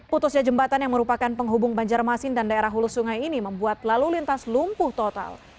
putusnya jembatan yang merupakan penghubung banjarmasin dan daerah hulu sungai ini membuat lalu lintas lumpuh total